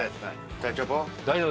大丈夫？